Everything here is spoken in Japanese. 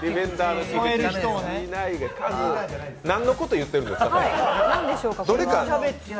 何のこと言ってるんですか？